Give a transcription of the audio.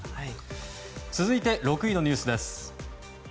続いて６位のニュースです。